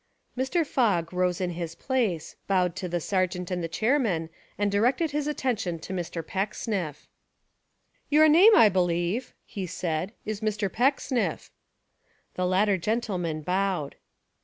Mr. Fogg rose in his place, bowed to the Sergeant and the Chairman, and directed his attention to Mr. Pecksniff. "Your name, I believe," he said, "is Mr. Pecksniff." The latter gentleman bowed.